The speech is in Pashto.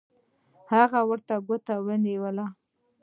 هغه ورته ګوته ونیوله